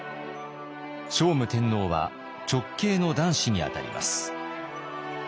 聖武天皇は直系の男子にあたります。